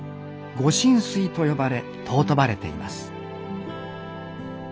「御神水」と呼ばれ尊ばれています